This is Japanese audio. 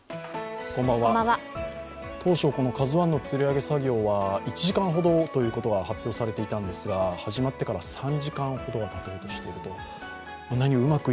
当初、この「ＫＡＺＵⅠ」のつり上げ作業は１時間ほどということが発表されたんですが始まってから３時間ほどがたとうしています。